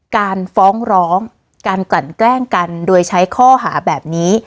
การฟ้องร้องการกลั่นแกล้งกันโดยใช้ข้อหาแบบนี้